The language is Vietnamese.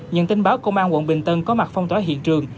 nhận tin báo công an quận bình tân có mặt phong tỏa hiện trường